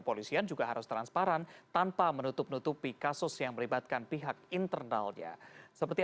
polisian juga harus transparan tanpa menutup nutupi kasus yang melibatkan pihak internalnya seperti